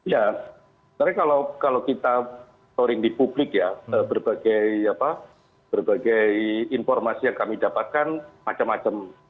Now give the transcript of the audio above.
ya sebenarnya kalau kita storing di publik ya berbagai informasi yang kami dapatkan macam macam